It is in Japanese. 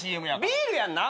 ビールやんな。